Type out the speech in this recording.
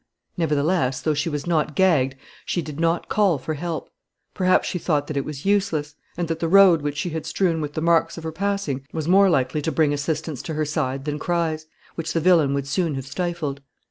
Nevertheless, though she was not gagged, she did not call for help. Perhaps she thought that it was useless, and that the road which she had strewn with the marks of her passing was more likely to bring assistance to her side than cries, which the villain would soon have stifled.